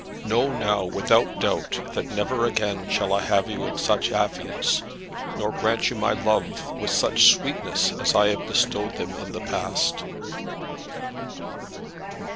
Know, now, without doubt, that never again shall I have in you such affiance, nor grant you my love with such sweetness, as I have bestowed them in the past."